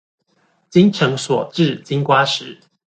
精誠所至金瓜石